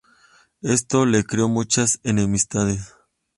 Esto le creó muchas enemistades.